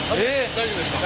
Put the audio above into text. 大丈夫ですか？